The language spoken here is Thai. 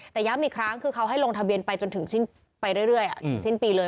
แต่ย้ำอีกครั้งคือเขาให้ลงทะเบียนไปจนถึงไปเรื่อยถึงสิ้นปีเลย